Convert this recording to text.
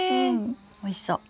おいしそう。